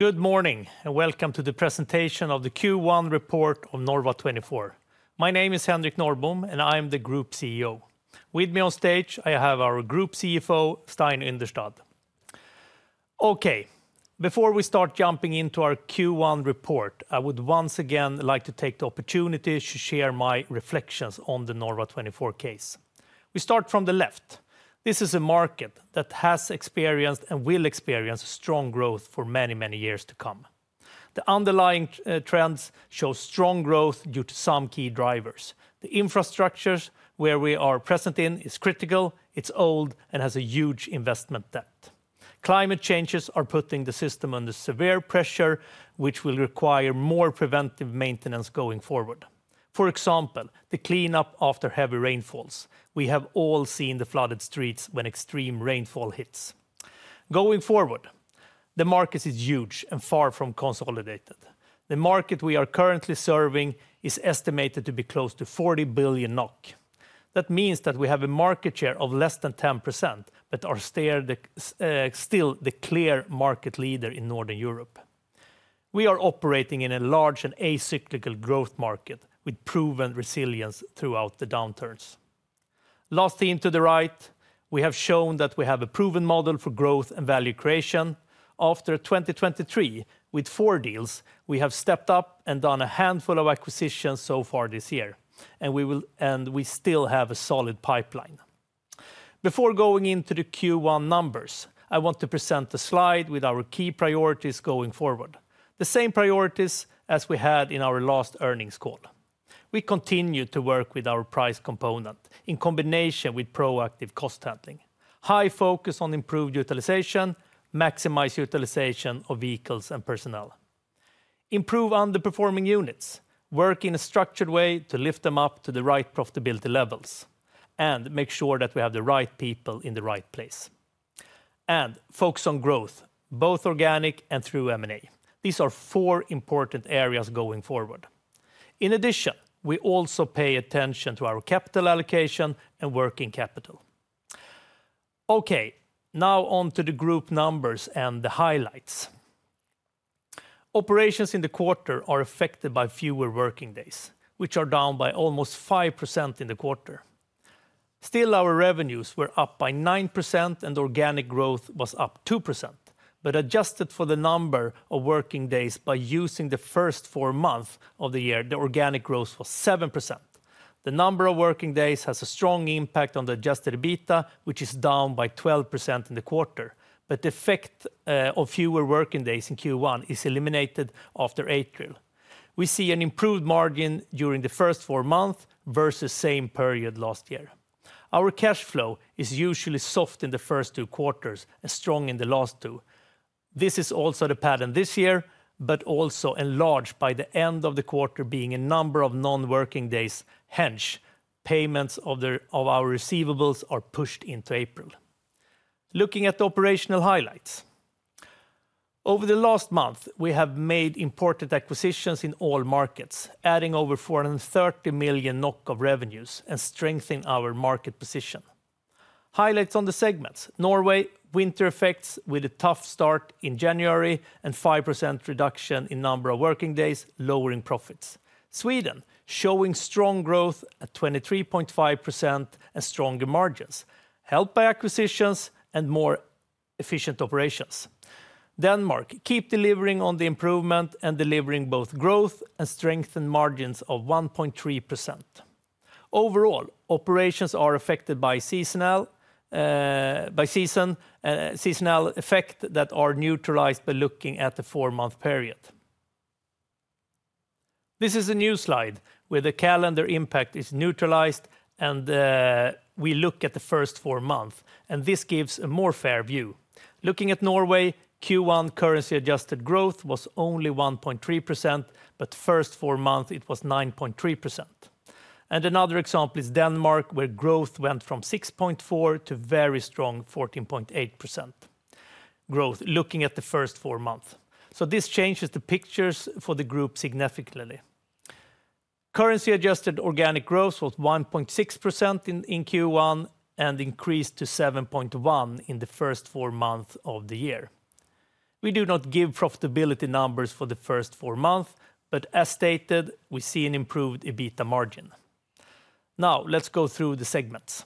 Good morning, and welcome to the presentation of the Q1 report of Norva24. My name is Henrik Norrbom, and I'm the Group CEO. With me on stage, I have our Group CFO, Stein Yndestad. Okay, before we start jumping into our Q1 report, I would once again like to take the opportunity to share my reflections on the Norva24 case. We start from the left. This is a market that has experienced and will experience strong growth for many, many years to come. The underlying trends show strong growth due to some key drivers. The infrastructures where we are present in is critical, it's old, and has a huge investment debt. Climate changes are putting the system under severe pressure, which will require more preventive maintenance going forward. For example, the cleanup after heavy rainfalls. We have all seen the flooded streets when extreme rainfall hits. Going forward, the market is huge and far from consolidated. The market we are currently serving is estimated to be close to 40 billion NOK. That means that we have a market share of less than 10%, but are still the, still the clear market leader in Northern Europe. We are operating in a large and as cyclical growth market, with proven resilience throughout the downturns. Last thing to the right, we have shown that we have a proven model for growth and value creation. After 2023, with four deals, we have stepped up and done a handful of acquisitions so far this year, and we will and we still have a solid pipeline. Before going into the Q1 numbers, I want to present the slide with our key priorities going forward, the same priorities as we had in our last earnings call. We continue to work with our price component in combination with proactive cost handling. High focus on improved utilization, maximize utilization of vehicles and personnel. Improve underperforming units, work in a structured way to lift them up to the right profitability levels, and make sure that we have the right people in the right place. Focus on growth, both organic and through M&A. These are four important areas going forward. In addition, we also pay attention to our capital allocation and working capital. Okay, now on to the group numbers and the highlights. Operations in the quarter are affected by fewer working days, which are down by almost 5% in the quarter. Still, our revenues were up by 9%, and organic growth was up 2%, but adjusted for the number of working days by using the first four months of the year, the organic growth was 7%. The number of working days has a strong impact on the adjusted EBITDA, which is down by 12% in the quarter, but the effect of fewer working days in Q1 is eliminated after April. We see an improved margin during the first four months versus same period last year. Our cash flow is usually soft in the first two quarters and strong in the last two. This is also the pattern this year, but also enlarged by the end of the quarter being a number of non-working days, hence, payments of our receivables are pushed into April. Looking at the operational highlights. Over the last month, we have made important acquisitions in all markets, adding over 430 million NOK of revenues and strengthen our market position. Highlights on the segments: Norway, winter effects with a tough start in January and 5% reduction in number of working days, lowering profits. Sweden, showing strong growth at 23.5% and stronger margins, helped by acquisitions and more efficient operations. Denmark, keep delivering on the improvement and delivering both growth and strengthened margins of 1.3%. Overall, operations are affected by seasonal effects that are neutralized by looking at the four-month period. This is a new slide where the calendar impact is neutralized, and we look at the first four months, and this gives a more fair view. Looking at Norway, Q1 currency-adjusted growth was only 1.3%, but in the first four months, it was 9.3%. And another example is Denmark, where growth went from 6.4% to very strong 14.8% growth, looking at the first four months. So this changes the picture for the group significantly. Currency-adjusted organic growth was 1.6% in Q1 and increased to 7.1% in the first four months of the year. We do not give profitability numbers for the first four months, but as stated, we see an improved EBITDA margin. Now, let's go through the segments.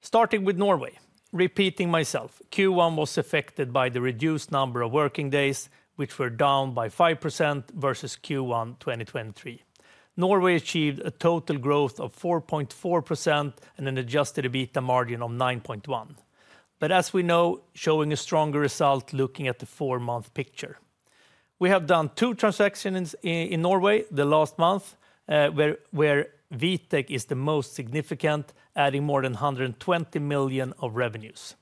Starting with Norway, repeating myself, Q1 was affected by the reduced number of working days, which were down by 5% versus Q1 2023. Norway achieved a total growth of 4.4% and an Adjusted EBITDA margin of 9.1%. But as we know, showing a stronger result, looking at the four-month picture. We have done two transactions in Norway the last month, where Vitek is the most significant, adding more than 120 million of revenues.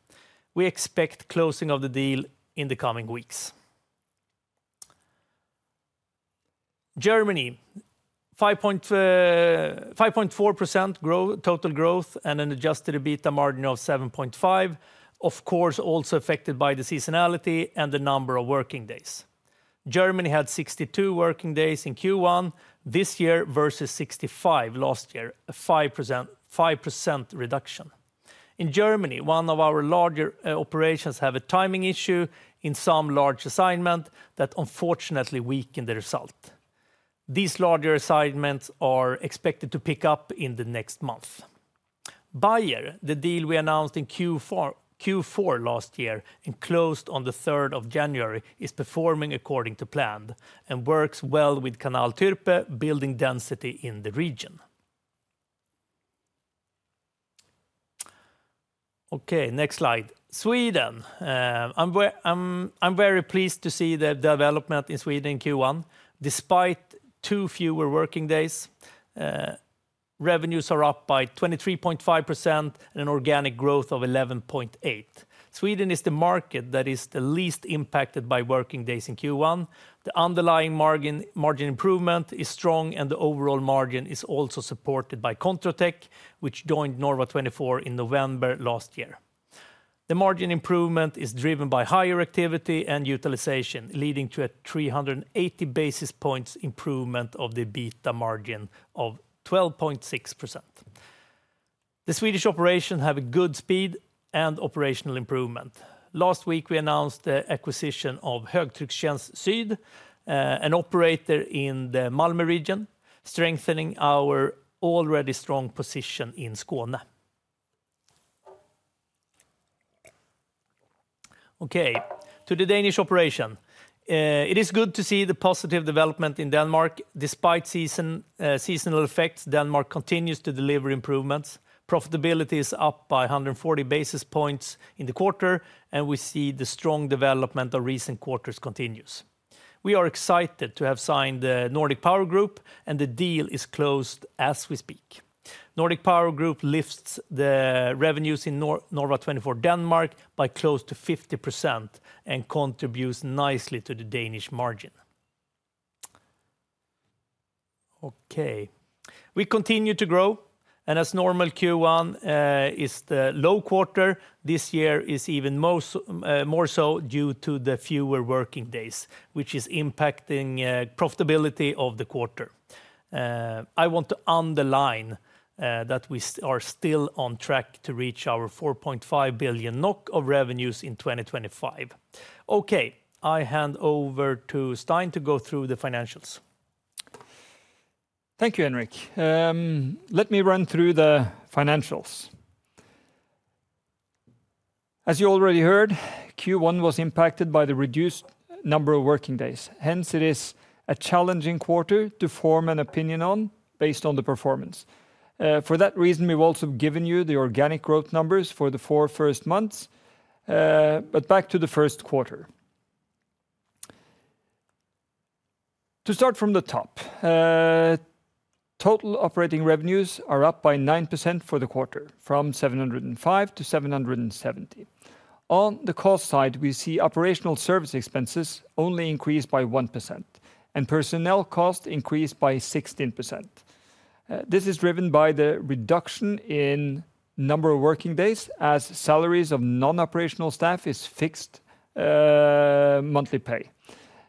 We expect closing of the deal in the coming weeks. Germany, 5.4% total growth and an Adjusted EBITDA margin of 7.5%, of course, also affected by the seasonality and the number of working days. Germany had 62 working days in Q1 this year, versus 65 last year, a 5% reduction. In Germany, one of our larger operations have a timing issue in some large assignment that unfortunately weakened the result. These larger assignments are expected to pick up in the next month. Baier, the deal we announced in Q4, Q4 last year, and closed on the 3rd of January, is performing according to plan and works well with Kanal-Türpe, building density in the region. Okay, next slide. Sweden. I'm very pleased to see the development in Sweden, Q1. Despite two fewer working days, revenues are up by 23.5% and an organic growth of 11.8%. Sweden is the market that is the least impacted by working days in Q1. The underlying margin improvement is strong, and the overall margin is also supported by Contro Tech, which joined Norva24 in November last year. The margin improvement is driven by higher activity and utilization, leading to a 380 basis points improvement of the EBITDA margin of 12.6%. The Swedish operation have a good speed and operational improvement. Last week, we announced the acquisition of Högtryckstjänst Syd, an operator in the Malmö region, strengthening our already strong position in Skåne. Okay, to the Danish operation. It is good to see the positive development in Denmark. Despite seasonal effects, Denmark continues to deliver improvements. Profitability is up by 140 basis points in the quarter, and we see the strong development of recent quarters continues. We are excited to have signed the Nordic Powergroup, and the deal is closed as we speak. Nordic Powergroup lifts the revenues in Norva24 Denmark by close to 50% and contributes nicely to the Danish margin. Okay, we continue to grow, and as normal, Q1 is the low quarter. This year is even most more so due to the fewer working days, which is impacting profitability of the quarter. I want to underline that we are still on track to reach our 4.5 billion NOK of revenues in 2025. Okay, I hand over to Stein to go through the financials. Thank you, Henrik. Let me run through the financials. As you already heard, Q1 was impacted by the reduced number of working days. Hence, it is a challenging quarter to form an opinion on based on the performance. For that reason, we've also given you the organic growth numbers for the four first months, but back to the first quarter. To start from the top, total operating revenues are up by 9% for the quarter, from 705 to 770. On the cost side, we see operational service expenses only increased by 1%, and personnel cost increased by 16%. This is driven by the reduction in number of working days, as salaries of non-operational staff is fixed, monthly pay.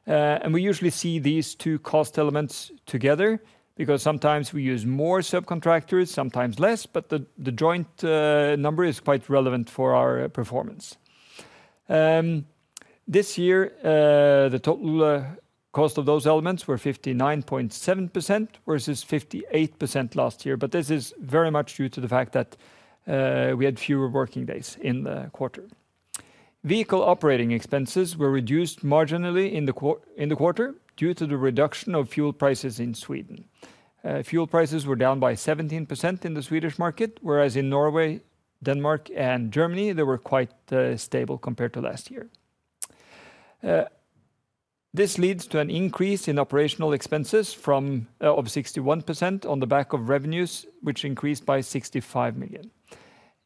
And we usually see these two cost elements together because sometimes we use more subcontractors, sometimes less, but the joint number is quite relevant for our performance. This year, the total cost of those elements were 59.7% versus 58% last year, but this is very much due to the fact that we had fewer working days in the quarter. Vehicle operating expenses were reduced marginally in the quarter due to the reduction of fuel prices in Sweden. Fuel prices were down by 17% in the Swedish market, whereas in Norway, Denmark, and Germany, they were quite stable compared to last year. This leads to an increase in operational expenses from of 61% on the back of revenues, which increased by 65 million.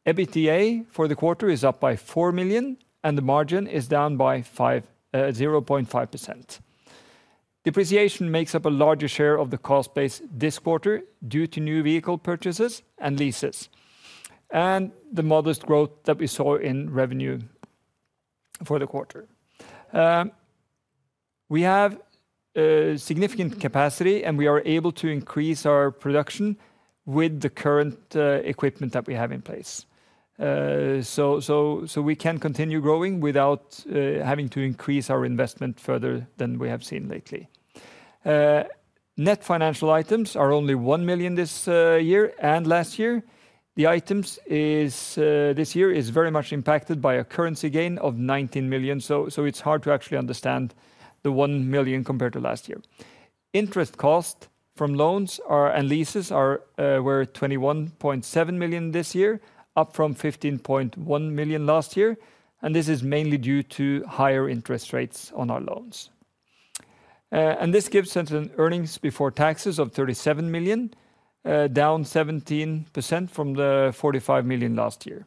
EBITDA for the quarter is up by 4 million, and the margin is down by 5, 0.5%. Depreciation makes up a larger share of the cost base this quarter due to new vehicle purchases and leases, and the modest growth that we saw in revenue for the quarter. We have significant capacity, and we are able to increase our production with the current equipment that we have in place. So we can continue growing without having to increase our investment further than we have seen lately. Net financial items are only 1 million this year and last year. The items is, this year, is very much impacted by a currency gain of 19 million, so it's hard to actually understand the 1 million compared to last year. Interest cost from loans are, and leases are, were 21.7 million this year, up from 15.1 million last year, and this is mainly due to higher interest rates on our loans. And this gives us an earnings before taxes of 37 million, down 17% from the 45 million last year.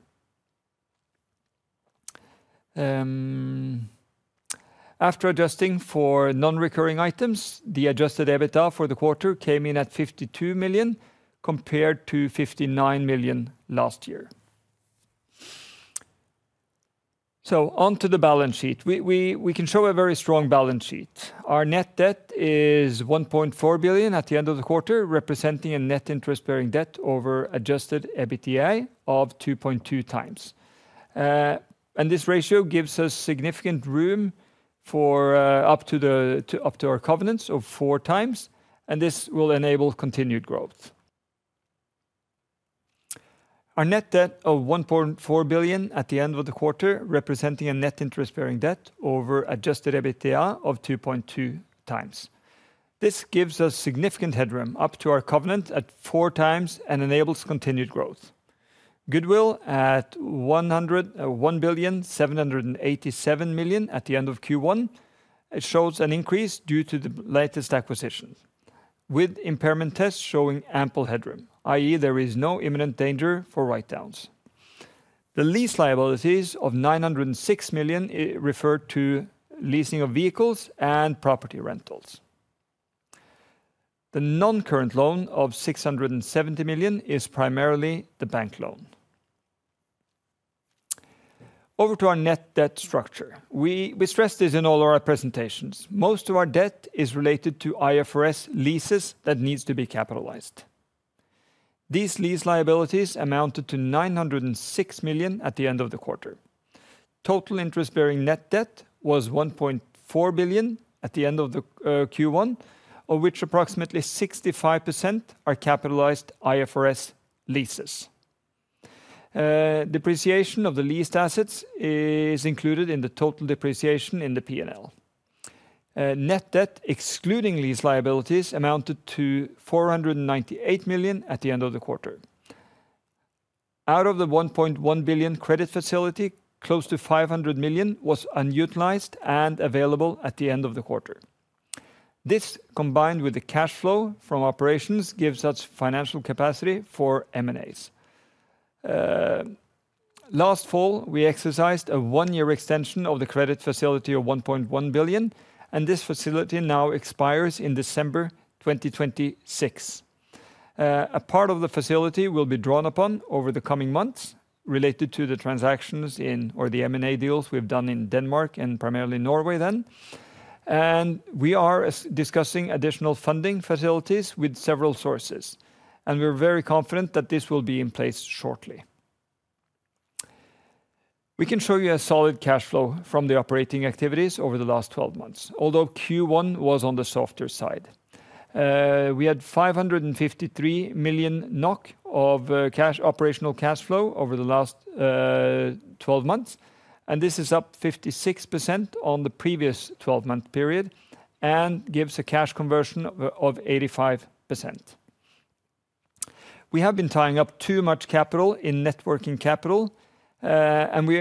After adjusting for non-recurring items, the adjusted EBITDA for the quarter came in at 52 million, compared to 59 million last year. So on to the balance sheet. We can show a very strong balance sheet. Our net debt is 1.4 billion at the end of the quarter, representing a net interest-bearing debt over adjusted EBITDA of 2.2 times. This ratio gives us significant room for up to our covenants of 4x, and this will enable continued growth. Our net debt of 1.4 billion at the end of the quarter, representing a net interest-bearing debt over Adjusted EBITDA of 2.2x. This gives us significant headroom up to our covenant at 4x and enables continued growth. Goodwill at one billion seven hundred and eighty-seven million at the end of Q1, it shows an increase due to the latest acquisitions, with impairment tests showing ample headroom, i.e., there is no imminent danger for write-downs. The lease liabilities of nine hundred and six million refer to leasing of vehicles and property rentals. The non-current loan of six hundred and seventy million is primarily the bank loan. Over to our net debt structure. We, we stress this in all of our presentations. Most of our debt is related to IFRS leases that needs to be capitalized. These lease liabilities amounted to 906 million at the end of the quarter. Total interest-bearing net debt was 1.4 billion at the end of Q1, of which approximately 65% are capitalized IFRS leases. Depreciation of the leased assets is included in the total depreciation in the P&L. Net debt, excluding these liabilities, amounted to 498 million at the end of the quarter. Out of the 1.1 billion credit facility, close to 500 million was unutilized and available at the end of the quarter. This, combined with the cash flow from operations, gives us financial capacity for M&As. Last fall, we exercised a one-year extension of the credit facility of 1.1 billion, and this facility now expires in December 2026. A part of the facility will be drawn upon over the coming months related to the transactions in or the M&A deals we've done in Denmark and primarily Norway then. We are discussing additional funding facilities with several sources, and we're very confident that this will be in place shortly. We can show you a solid cash flow from the operating activities over the last twelve months, although Q1 was on the softer side. We had 553 million NOK of cash operational cash flow over the last twelve months, and this is up 56% on the previous twelve-month period and gives a cash conversion of 85%. We have been tying up too much capital in net working capital, and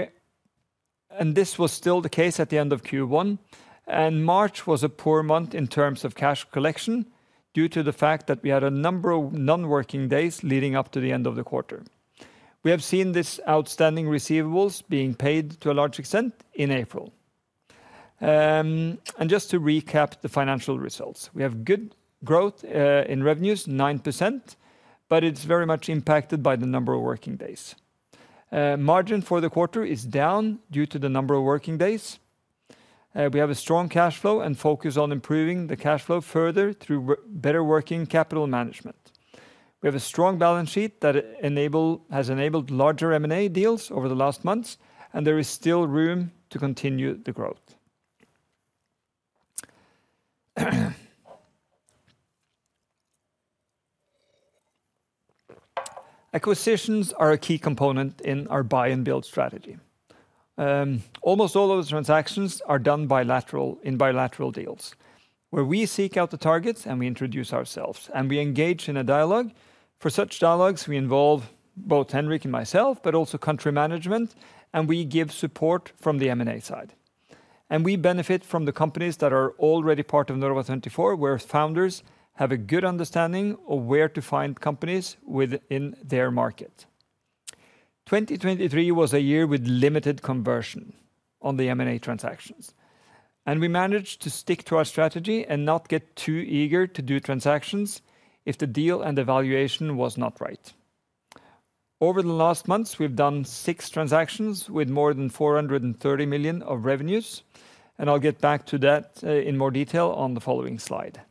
this was still the case at the end of Q1, and March was a poor month in terms of cash collection, due to the fact that we had a number of non-working days leading up to the end of the quarter. We have seen these outstanding receivables being paid to a large extent in April. And just to recap the financial results, we have good growth in revenues, 9%, but it's very much impacted by the number of working days. Margin for the quarter is down due to the number of working days. We have a strong cash flow and focus on improving the cash flow further through better working capital management. We have a strong balance sheet that has enabled larger M&A deals over the last months, and there is still room to continue the growth. Acquisitions are a key component in our buy and build strategy. Almost all those transactions are done bilateral, in bilateral deals, where we seek out the targets, and we introduce ourselves, and we engage in a dialogue. For such dialogues, we involve both Henrik and myself, but also country management, and we give support from the M&A side. And we benefit from the companies that are already part of Norva24, where founders have a good understanding of where to find companies within their market. 2023 was a year with limited conversion on the M&A transactions, and we managed to stick to our strategy and not get too eager to do transactions if the deal and the valuation was not right. Over the last months, we've done six transactions with more than 430 million of revenues, and I'll get back to that, in more detail on the following slide.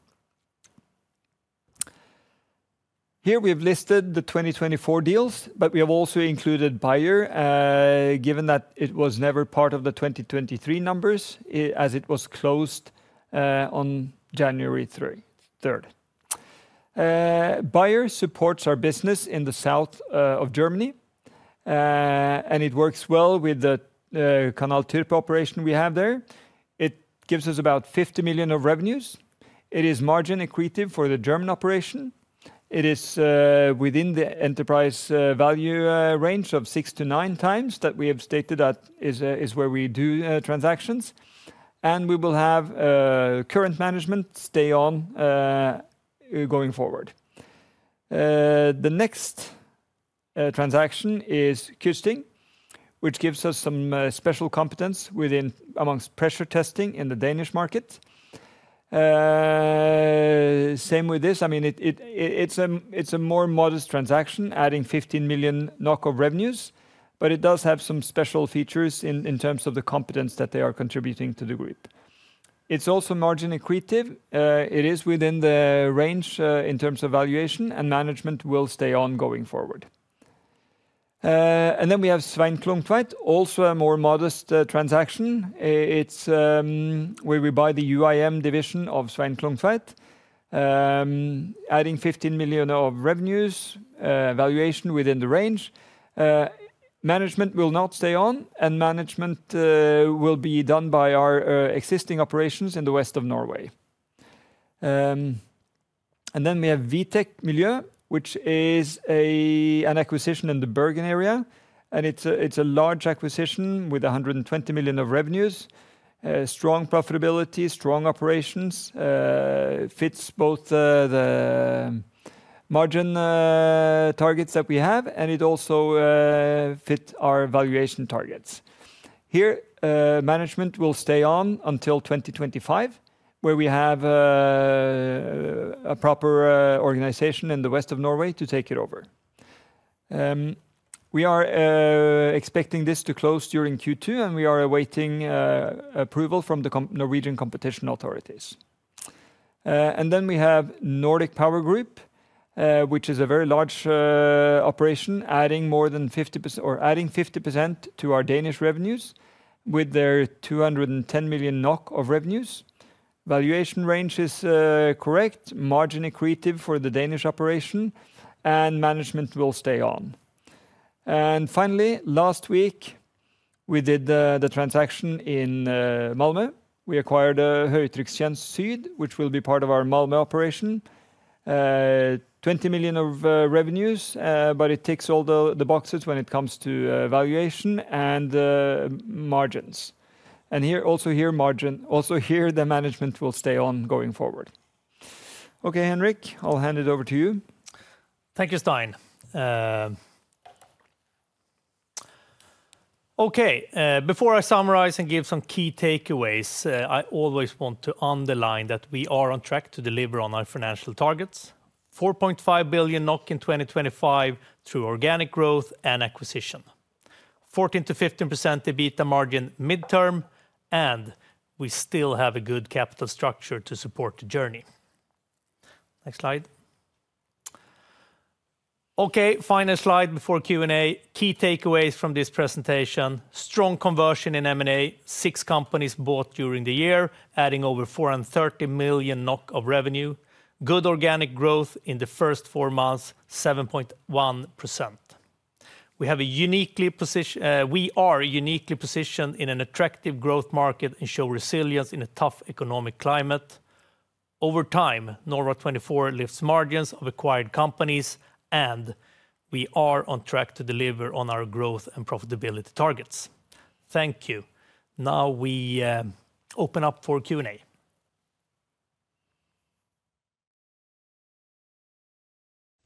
Here, we have listed the 2024 deals, but we have also included Baier, given that it was never part of the 2023 numbers, as it was closed, on January 3rd. Baier supports our business in the south, of Germany, and it works well with the, Kanal-Türpe operation we have there. It gives us about 50 million of revenues. It is margin accretive for the German operation. It is, within the enterprise, value, range of 6-9 times that we have stated at is, is where we do, transactions, and we will have, current management stay on, going forward. The next transaction is Kjysting, which gives us some special competence within amongst pressure testing in the Danish market. Same with this. I mean, it's a more modest transaction, adding 15 million of revenues, but it does have some special features in terms of the competence that they are contributing to the group. It's also margin accretive. It is within the range in terms of valuation, and management will stay on going forward. And then we have Svein Klungtveit, also a more modest transaction. It's where we buy the UIM division of Svein Klungtveit, adding 15 million of revenues, valuation within the range. Management will not stay on, and management will be done by our existing operations in the West of Norway. And then we have Vitek Miljø, which is an acquisition in the Bergen area, and it's a large acquisition with 120 million of revenues, strong profitability, strong operations. Fits both the margin targets that we have, and it also fit our valuation targets. Here, management will stay on until 2025, where we have a proper organization in the west of Norway to take it over. We are expecting this to close during Q2, and we are awaiting approval from the Norwegian competition authorities. And then we have Nordic Powergroup, which is a very large operation, adding more than 50%... or adding 50% to our Danish revenues, with their 210 million NOK of revenues. Valuation range is correct, margin accretive for the Danish operation, and management will stay on. And finally, last week, we did the transaction in Malmö. We acquired Högtryckstjänst Syd, which will be part of our Malmö operation. 20 million of revenues, but it ticks all the boxes when it comes to valuation and margins. And here, also here, margins. Also here, the management will stay on going forward. Okay, Henrik, I'll hand it over to you. Thank you, Stein. Okay, before I summarize and give some key takeaways, I always want to underline that we are on track to deliver on our financial targets: 4.5 billion NOK in 2025 through organic growth and acquisition, 14%-15% EBITDA margin midterm, and we still have a good capital structure to support the journey. Next slide. Okay, final slide before Q&A. Key takeaways from this presentation: strong conversion in M&A, six companies bought during the year, adding over 430 million NOK of revenue. Good organic growth in the first four months, 7.1%. We are uniquely positioned in an attractive growth market and show resilience in a tough economic climate. Over time, Norva24 lifts margins of acquired companies, and we are on track to deliver on our growth and profitability targets. Thank you. Now we open up for Q&A.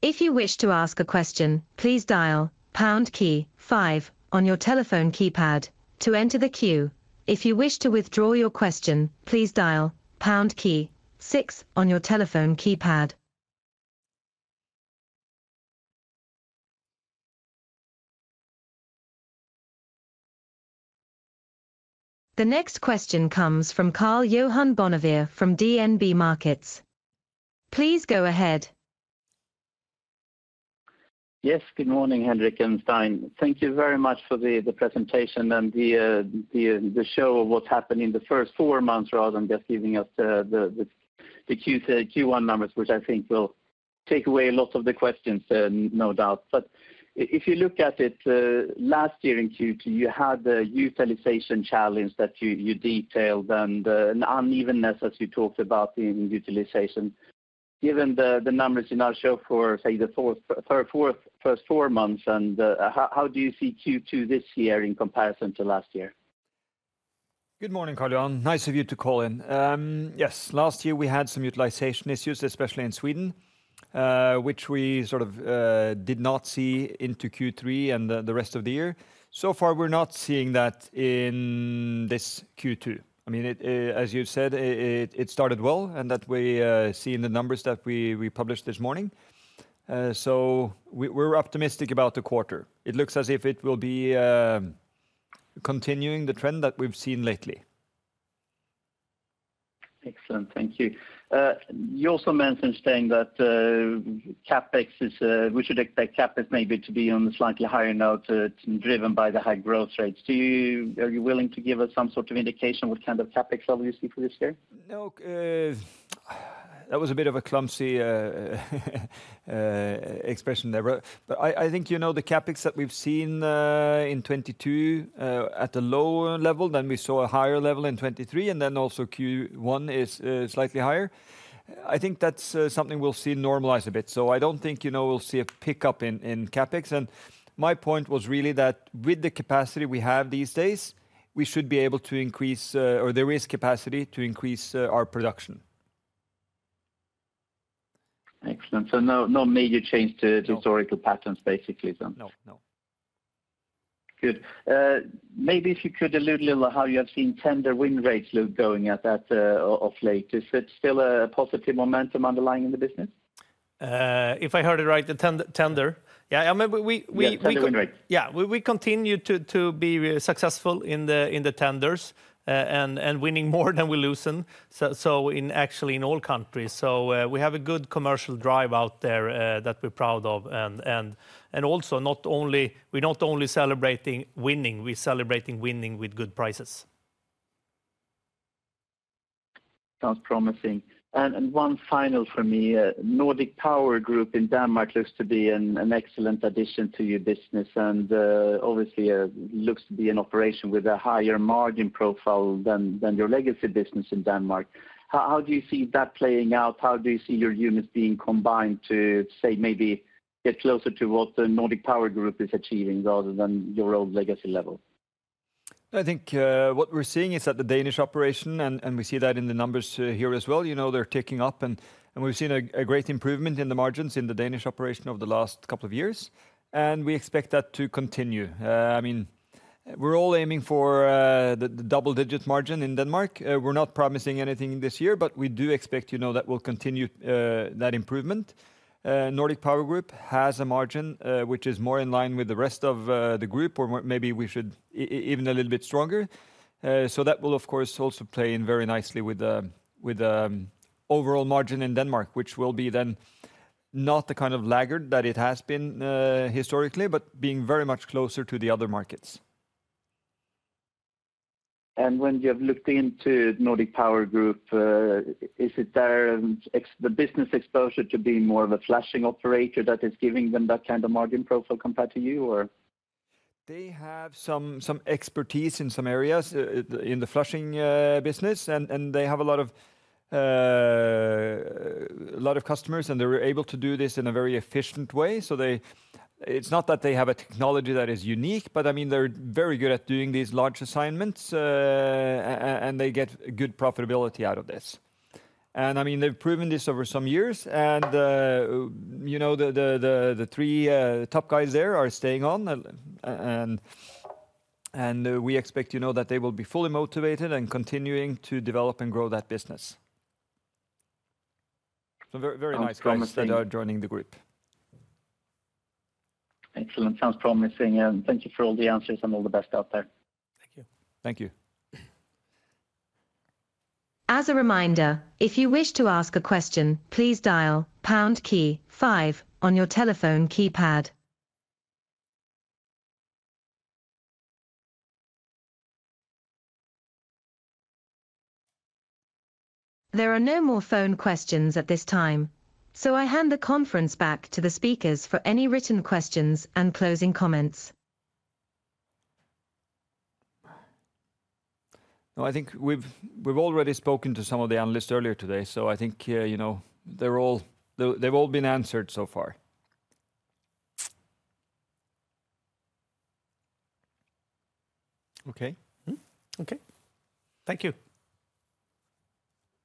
If you wish to ask a question, please dial pound key five on your telephone keypad to enter the queue. If you wish to withdraw your question, please dial pound key six on your telephone keypad. The next question comes from Karl Johan Bonnevier from DNB Markets. Please go ahead. Yes, good morning, Henrik and Stein. Thank you very much for the presentation and the show of what's happened in the first four months, rather than just giving us the Q1 numbers, which I think will take away a lot of the questions, no doubt. But if you look at it, last year in Q2, you had a utilization challenge that you detailed, and an unevenness, as you talked about, in utilization. Given the numbers in our show for, say, the first four months, and how do you see Q2 this year in comparison to last year? Good morning, Carl Johan. Nice of you to call in. Yes, last year we had some utilization issues, especially in Sweden, which we sort of did not see into Q3 and the rest of the year. So far, we're not seeing that in this Q2. I mean, it, as you said, it started well, and that we see in the numbers that we published this morning, so we're optimistic about the quarter. It looks as if it will be continuing the trend that we've seen lately. Excellent, thank you. You also mentioned, Stein, that CapEx is we should expect CapEx maybe to be on a slightly higher note, driven by the high growth rates. Are you willing to give us some sort of indication what kind of CapEx level you see for this year? No, that was a bit of a clumsy expression there, but I think you know the CapEx that we've seen in 2022 at a lower level, then we saw a higher level in 2023, and then also Q1 is slightly higher. I think that's something we'll see normalize a bit, so I don't think, you know, we'll see a pickup in CapEx. And my point was really that with the capacity we have these days, we should be able to increase or there is capacity to increase our production. ... Excellent. So no, no major change to- No historical patterns basically then? No, no. Good. Maybe if you could allude a little how you have seen tender win rates look going at that of late. Is it still a positive momentum underlying in the business? If I heard it right, the tender? Yeah, I mean, we, we- Yeah, tender win rate. Yeah, we continue to be successful in the tenders, and winning more than we loosen, so in actually in all countries. So, we have a good commercial drive out there, that we're proud of. And also, not only—we're not only celebrating winning, we're celebrating winning with good prices. Sounds promising. And one final for me, Nordic Powergroup in Denmark looks to be an excellent addition to your business, and obviously looks to be an operation with a higher margin profile than your legacy business in Denmark. How do you see that playing out? How do you see your units being combined to, say, maybe get closer to what the Nordic Powergroup is achieving, rather than your own legacy level? I think, what we're seeing is that the Danish operation, and we see that in the numbers, here as well, you know, they're ticking up, and we've seen a great improvement in the margins in the Danish operation over the last couple of years, and we expect that to continue. I mean, we're all aiming for the double-digit margin in Denmark. We're not promising anything this year, but we do expect, you know, that we'll continue that improvement. Nordic Powergroup has a margin, which is more in line with the rest of the group, or more maybe we should even a little bit stronger. So that will, of course, also play in very nicely with the overall margin in Denmark, which will be then not the kind of laggard that it has been, historically, but being very much closer to the other markets. When you have looked into Nordic Powergroup, is it the business exposure to being more of a flushing operator that is giving them that kind of margin profile compared to you, or? They have some expertise in some areas in the flushing business, and they have a lot of customers, and they're able to do this in a very efficient way. So they... It's not that they have a technology that is unique, but I mean, they're very good at doing these large assignments, and they get good profitability out of this. And I mean, they've proven this over some years, and you know, the three top guys there are staying on, and we expect to know that they will be fully motivated and continuing to develop and grow that business. Some very, very nice guys- Sounds promising. -that are joining the group. Excellent. Sounds promising, and thank you for all the answers, and all the best out there. Thank you. Thank you. As a reminder, if you wish to ask a question, please dial pound key five on your telephone keypad. There are no more phone questions at this time, so I hand the conference back to the speakers for any written questions and closing comments. No, I think we've already spoken to some of the analysts earlier today, so I think, you know, they're all—they've all been answered so far. Okay. Mm-hmm. Okay. Thank you!